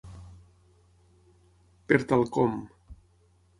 Per tal com.